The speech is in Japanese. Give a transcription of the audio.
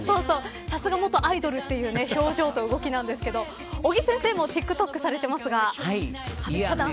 さすが元アイドルという表情と動きですが尾木先生もＴｉｋＴｏｋされていますが。